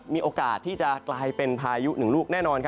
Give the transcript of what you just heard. มีโอกาสที่จะกลายเป็นพายุหนึ่งลูกแน่นอน